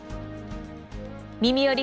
「みみより！